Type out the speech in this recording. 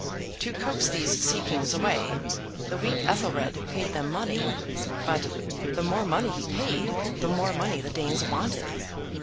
To coax these sea kings away, the weak Ethelred paid them money; but, the more money he paid, the more money the Danes wanted.